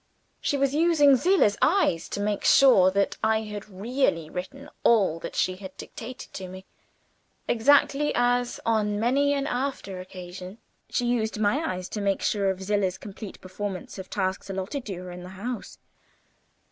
She was using Zillah's eyes to make sure that I had really written all that she had dictated to me exactly as, on many an after occasion, she used my eyes to make sure of Zillah's complete performance of tasks allotted to her in the house.